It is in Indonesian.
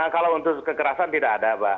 kalau untuk kekerasan tidak ada mbak